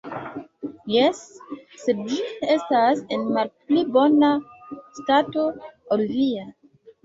Jes, sed ĝi estas en malpli bona stato ol via.